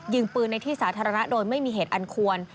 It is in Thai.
ยิงปืนในที่สาธารณะโดยไม่มีเหตุอันควร